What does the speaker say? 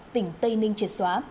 tỉnh tây ninh triệt xóa